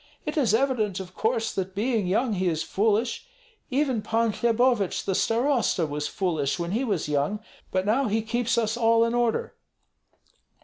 It is evident, of course, that being young he is foolish. Even Pan Hlebovich the starosta was foolish when he was young, but now he keeps us all in order."